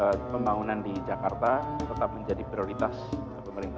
agar pembangunan di jakarta tetap menjadi prioritas pemerintah